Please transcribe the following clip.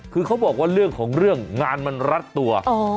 คือเขาบอกว่าเรื่องของเรื่องงานมันรัดตัว